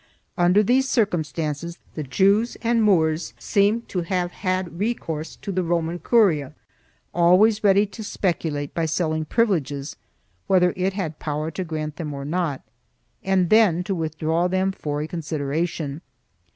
Under these •circumstances the Jews and Moors seem to have had recourse to the Roman curia, always ready to speculate by selling privileges, whether it had power to grant them or not, and then to withdraw them for a consideration.